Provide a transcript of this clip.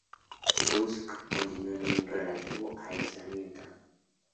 Kush continuó en un relativo aislamiento.